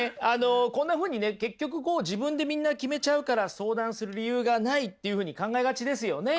こんなふうにね結局こう自分でみんな決めちゃうから相談する理由がないっていうふうに考えがちですよね。